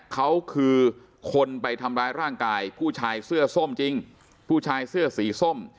เขาคือคนไปทำร้ายร่างกายผู้ชายเสื้อส้มจริงผู้ชายเสื้อสีส้ม